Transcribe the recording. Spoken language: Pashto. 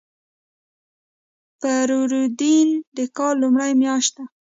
فروردین د کال لومړۍ میاشت ده.